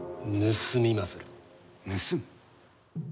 盗む？